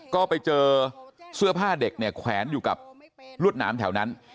ก็ไปเจอเสื้อผ้าเด็กเนี่ยแขวนอยู่กับรวดหนามแถวนั้น